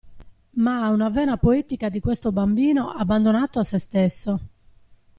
Ma ha una vena poetica di questo bambino abbandonato a sè stesso.